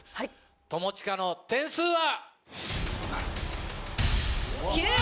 友近の点数は？